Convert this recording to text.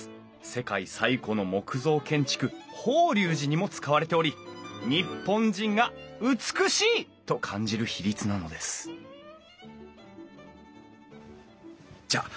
世界最古の木造建築法隆寺にも使われており日本人が美しいと感じる比率なのですじゃあ